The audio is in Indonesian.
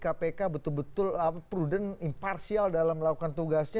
kpk betul betul prudent imparsial dalam melakukan tugasnya